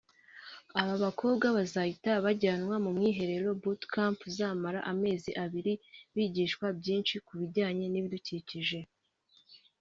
Aba bakobwa bazahita bajyanwa mu mwiherero(boot camp) uzamara amezi abiri bigishwa byinshi ku bijyanye n’ibidukikije